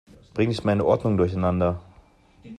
Bring nicht meine Ordnung durcheinander!